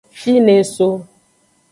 Fine eso.